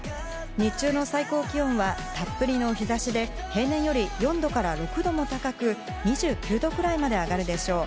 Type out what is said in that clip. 日中の最高気温はたっぷりの日差しで、平年より４度から６度も高く２９度くらいまで上がるでしょう。